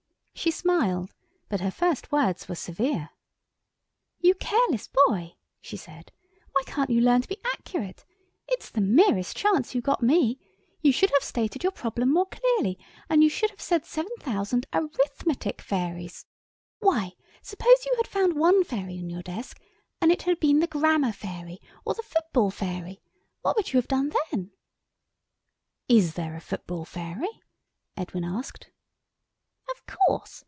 She smiled, but her first words were severe. "You careless boy," she said. "Why can't you learn to be accurate? It's the merest chance you got me. You should have stated your problem more clearly, and you should have said seven thousand Arithmetic Fairies. Why suppose you had found one fairy in your desk, and it had been the Grammar Fairy, or the Football Fairy—what would you have done then?" "Is there a Football Fairy?" Edwin asked. "Of course.